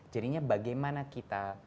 jadinya bagaimana kita